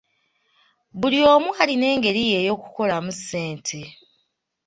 Buli omu alina engeri ye ey'okukolamu ssente.